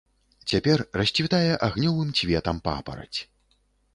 Цяпер расцвітае агнёвым цветам папараць.